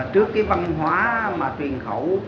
trước cái văn hóa mà truyền khẩu